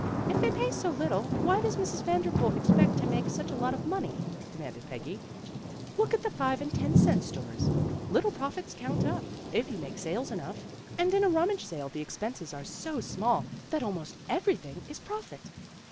"If they pay so little, why does Mrs. Van derpool expect to make such a lot of money?" demanded Peggy. "Look at the five and ten cent stores. Little profits count up, if you make sales enough. 72 PEGGY RAYMOND'S WAY And in a rummage sale the expenses are so small that almost everything is profit."